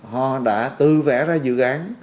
họ đã tự vẽ ra dự án